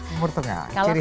timur tengah ciri khas sekali